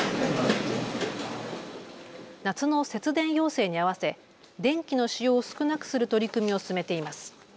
夏の節電要請にあわせ電気の使用を少なくする取り組みを進めています。